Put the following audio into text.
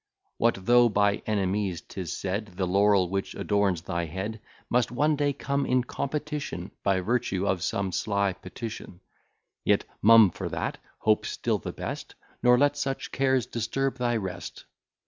What though by enemies 'tis said, The laurel, which adorns thy head, Must one day come in competition, By virtue of some sly petition: Yet mum for that; hope still the best, Nor let such cares disturb thy rest.